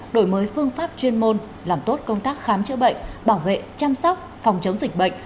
đổi mới phương pháp chuyên môn làm tốt công tác khám chữa bệnh bảo vệ chăm sóc phòng chống dịch bệnh